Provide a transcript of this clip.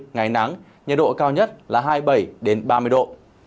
ngày nắng nhiệt độ cao nhất là hai mươi bảy ba mươi độ